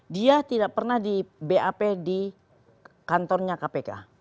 dia tidak pernah di bap di kantornya kpk